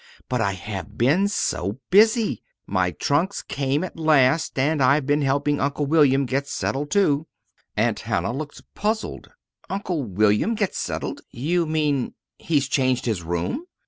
But I have been so busy! My trunks came at last, and I've been helping Uncle William get settled, too." Aunt Hannah looked puzzled. "Uncle William get settled? You mean he's changed his room?"